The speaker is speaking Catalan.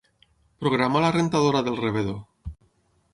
Programa la rentadora del rebedor.